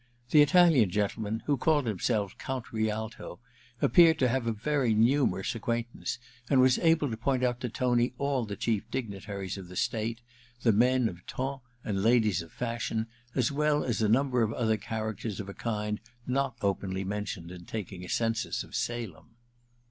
The Italian gentle man, who called himself Count Rialto, appeared to have a very numerous acquaintance, and was able to point out to Tony all the chief dignitaries of the state, the men of ton and ladies of fashion, as well as a number of other characters of a kind not openly mentioned in taking a census of Salem.